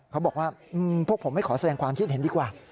เขาบอกว่าพวกผมไม่ขอแสดงความคิดเห็นดีกว่า